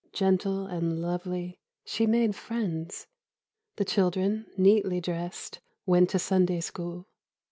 Gentle and lovely, she made friends. The children, neatly dressed, went to Sunday School.